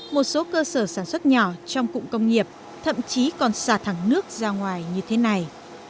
một số cơ sở sản xuất nhỏ trong cụm công nghiệp thậm chí còn xả thẳng nước ra ngoài như thế này